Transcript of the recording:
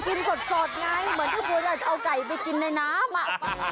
เหมือนที่พูดว่าจะเอาไก่ไปกินในน้ำ